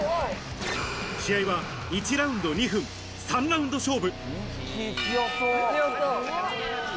試合は１ラウンド２分、３ラウンド勝負。